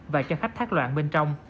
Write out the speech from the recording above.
và cho khách thác loạn bên trong